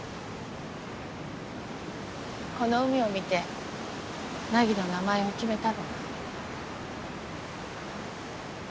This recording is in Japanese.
この海を見て凪の名前を決めたの。